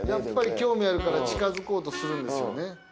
興味あるから近づこうとするんですよね。